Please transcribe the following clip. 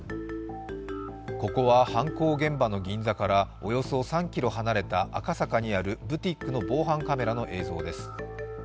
ここは犯行現場の銀座からおよそ３ｋｍ離れた赤坂にあるブティックの防犯カメラの映像です。